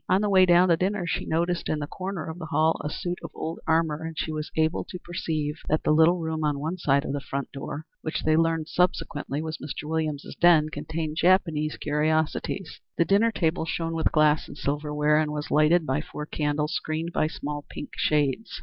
On the way down to dinner she noticed in the corner of the hall a suit of old armor, and she was able to perceive that the little room on one side of the front door, which they learned subsequently was Mr. Williams's den, contained Japanese curiosities. The dinner table shone with glass and silver ware, and was lighted by four candles screened by small pink shades.